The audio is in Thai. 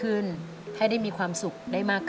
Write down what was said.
อเรนนี่คือเหตุการณ์เริ่มต้นหลอนช่วงแรกแล้วมีอะไรอีก